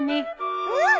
うん！